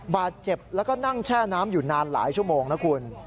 บาดเจ็บแล้วก็นั่งแช่น้ำอยู่นานหลายชั่วโมงนะคุณ